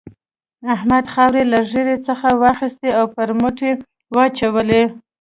احمد خاورې له ږيرې څخه واخيستې پر برېت يې واچولې.